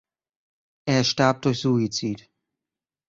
Er starb durch Suizid.